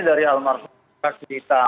dari almarhum kita